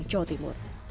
sejak jawa timur